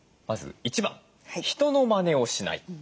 まず１番人のマネをしない。